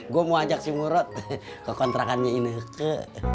gua mau ajak si murad ke kontrakannya ini ke